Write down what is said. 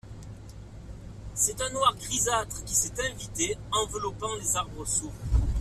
C’est un noir grisâtre qui s’est invité, enveloppant les arbres sourds.